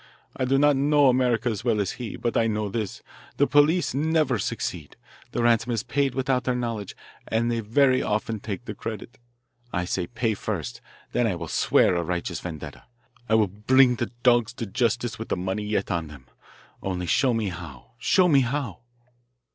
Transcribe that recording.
I do not know America as well as he, but I know this: the police never succeed the ransom is paid without their knowledge, and they very often take the credit. I say, pay first, then I will swear a righteous vendetta I will bring the dogs to justice with the money yet on them. Only show me how, show me how."